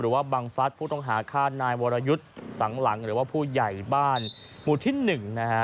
บังฟัฐผู้ต้องหาฆ่านายวรยุทธ์สังหลังหรือว่าผู้ใหญ่บ้านหมู่ที่๑นะฮะ